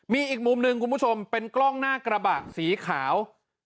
มีอีกมุมหนึ่งคุณผู้ชมเป็นกล้องหน้ากระบะสีขาว